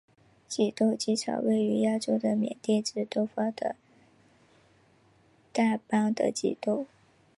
景栋机场位于亚洲的缅甸之东方的掸邦的景栋。